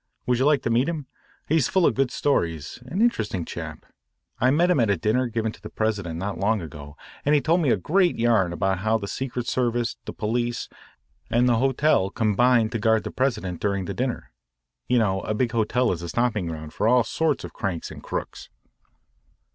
Would you like to meet him? He's full of good stories, an interesting chap. I met him at a dinner given to the President not long ago and he told me a great yarn about how the secret service, the police, and the hotel combined to guard the President during the dinner. You know, a big hotel is the stamping ground for all sorts of cranks and crooks."